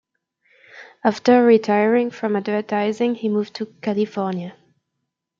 After retiring from advertising, he moved to California.